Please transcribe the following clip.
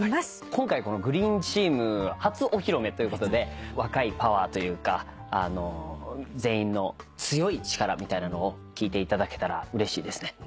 今回このＧＲＥＥＮチーム初お披露目ということで若いパワーというか全員の強い力みたいなのを聴いていただけたらうれしいですね。